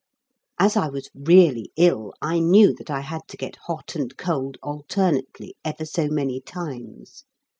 As I was really ill I knew that I had to get hot and cold alternately ever so many times.